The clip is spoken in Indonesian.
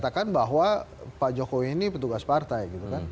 dan dikatakan bahwa pak jokowi ini petugas partai